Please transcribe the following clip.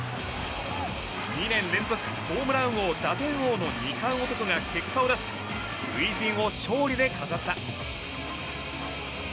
２年連続ホームラン王打点王の二冠男が結果を出し初陣を勝利で飾った。